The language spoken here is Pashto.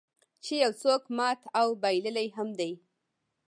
چې یو څوک مات او بایللی هم دی.